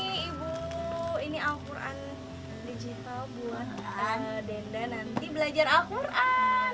ini ibu ini al quran digital buat denda nanti belajar al quran